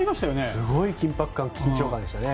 すごい緊迫感緊張感でしたね。